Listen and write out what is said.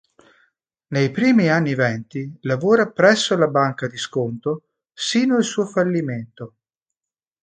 Nei primi anni Venti lavora presso la Banca di Sconto sino al suo fallimento.